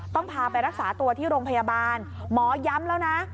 ต้องพาไปรักษาตัวที่โรงพยาบาลหมอย้ำแล้วนะ